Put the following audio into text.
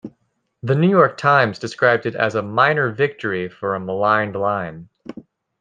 The "New York Times" described it as a "minor victory" for "a maligned line.